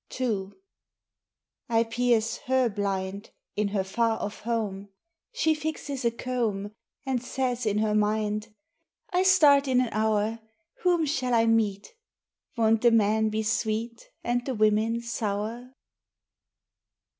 II I pierce her blind In her far off home: She fixes a comb, And says in her mind, "I start in an hour; Whom shall I meet? Won't the men be sweet, And the women sour!"